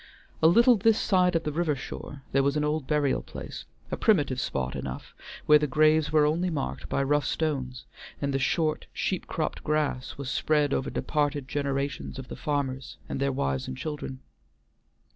A little this side of the river shore there was an old burial place, a primitive spot enough, where the graves were only marked by rough stones, and the short, sheep cropped grass was spread over departed generations of the farmers and their wives and children.